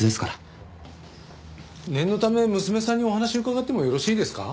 念のため娘さんにお話伺ってもよろしいですか？